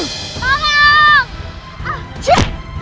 eh itu dia